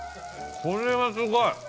これはすごい。